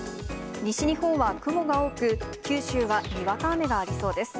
西日本は雲が多く、九州はにわか雨がありそうです。